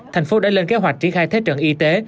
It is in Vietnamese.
thành phố đã lên kế hoạch triển khai thế trận y tế